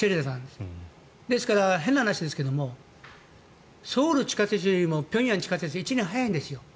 ですから、変な話ですがソウル地下鉄よりも平壌地下鉄は１年早いんですよ。